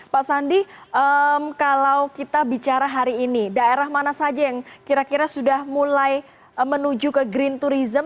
pak sandi kalau kita bicara hari ini daerah mana saja yang kira kira sudah mulai menuju ke green tourism